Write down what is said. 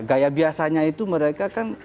gaya biasanya itu mereka kan